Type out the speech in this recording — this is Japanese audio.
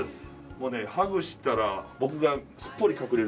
もうねハグしたら僕がすっぽり隠れるくらいでかいです。